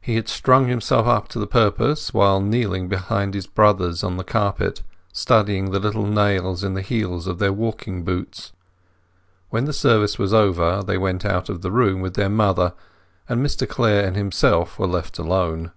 He had strung himself up to the purpose while kneeling behind his brothers on the carpet, studying the little nails in the heels of their walking boots. When the service was over they went out of the room with their mother, and Mr Clare and himself were left alone.